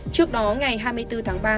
trước đó ngày hai mươi bốn tháng ba